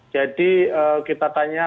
jadi kita tanya